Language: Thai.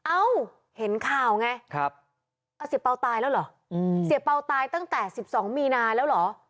เอ้าเห็นข่าวไงเสียเปล่าตายแล้วเหรอเสียเปล่าตายตั้งแต่๑๒มีนาแล้วเหรอ